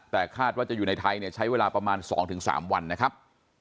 แต่คาดว่าจะอยู่ในไทยเนี่ยใช้เวลาประมาณ๒๓วันนะครับ